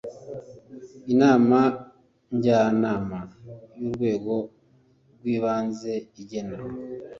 inama njyanama y urwego ry ibanze igena